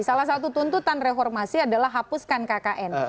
salah satu tuntutan reformasi adalah hapuskan kkn